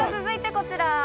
続いてこちら。